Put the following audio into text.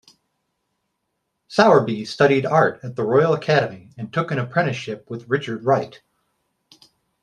Sowerby studied art at the Royal Academy and took an apprenticeship with Richard Wright.